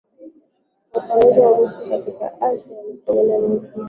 Kiorthodoksi upanuzi wa Urusi katika Asia uligongana na upanuzi wa Japan